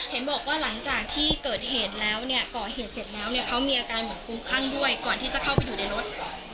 เห็นบอกว่าหลังจากที่เกิดเหตุแล้วเนี่ยก่อเหตุเสร็จแล้วเนี่ยเขามีอาการเหมือนคุ้มคลั่งด้วยก่อนที่จะเข้าไปอยู่ในรถ